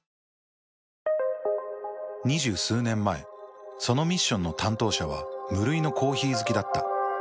２０数年前そのミッションの担当者は無類のコーヒー好きだった。